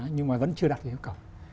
nhưng vẫn chưa đạt được yêu cầu